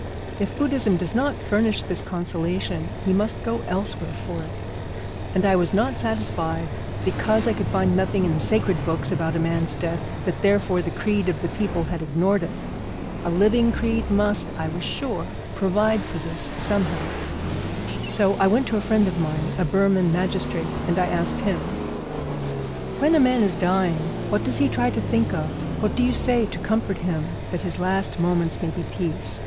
If Buddhism does not furnish this consolation, he must go elsewhere for it. And I was not satisfied, because I could find nothing in the sacred books about a man's death, that therefore the creed of the people had ignored it. A living creed must, I was sure, provide for this somehow. So I went to a friend of mine, a Burman magistrate, and I asked him: 'When a man is dying, what does he try to think of? What do you say to comfort him that his last moments may be peace?